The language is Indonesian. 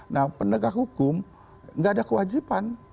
nah penegak hukum nggak ada kewajiban